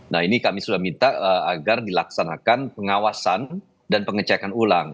nah ini kami sudah minta agar dilaksanakan pengawasan dan pengecekan ulang